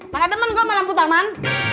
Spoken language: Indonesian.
mana temen lu sama lampu tarman